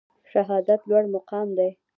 شهادت لوړ مقام دی